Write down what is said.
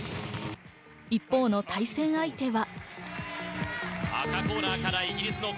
一方の対戦相手は。